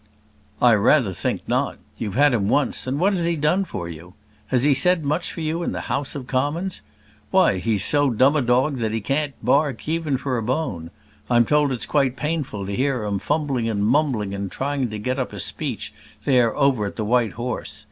"I rather think not. You've had him once, and what has he done for you? Has he said much for you in the House of Commons? Why, he's so dumb a dog that he can't bark even for a bone. I'm told it's quite painful to hear him fumbling and mumbling and trying to get up a speech there over at the White Horse.